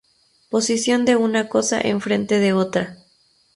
Posición de una cosa enfrente de otra.